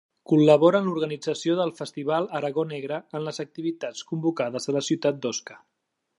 Col·labora en l'organització del Festival Aragó Negre en les activitats convocades a la ciutat d'Osca.